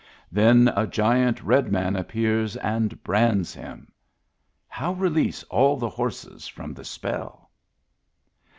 Then a giant red man appears and brands him. How release all the horses from the spell